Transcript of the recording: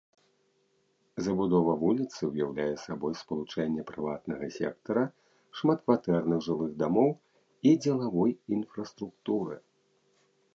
Забудова вуліцы ўяўляе сабой спалучэнне прыватнага сектара, шматкватэрных жылых дамоў і дзелавой інфраструктуры.